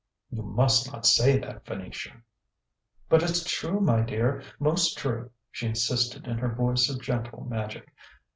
"You must not say that, Venetia!" "But it's true, my dear, most true," she insisted in her voice of gentle magic.